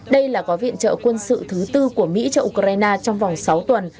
đây là gói viện trợ quân sự thứ tư của mỹ cho ukraine trong vòng sáu tuần